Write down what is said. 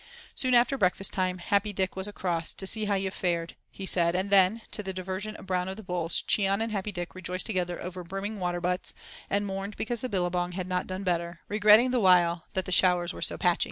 Soon after breakfast time Happy Dick was across "To see how you've fared," he said, and then, to the diversion of Brown of the Bulls, Cheon and Happy Dick rejoiced together over the brimming water butts, and mourned because the billabong had not done better, regretting the while that the showers were so "patchy."